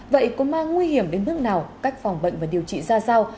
vậy cố ma nguy hiểm đến nước nào cách phòng bệnh và điều trị ra sao